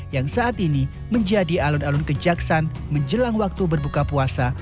yang saat ini menjadi alun alun kejaksaan menjelang waktu berbuka puasa